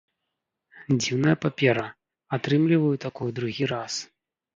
Дзіўная папера, атрымліваю такую другі раз.